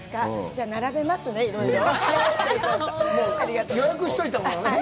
じゃあ並べますね、いろいろ。